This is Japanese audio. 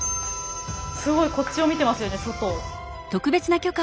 すごいこっちを見てますよね外を。